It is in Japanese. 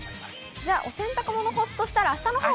じゃあ、お洗濯物干すとしたら、あしたのほうが？